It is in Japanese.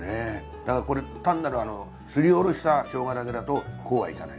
だからこれ単なるすりおろした生姜だけだとこうはいかない。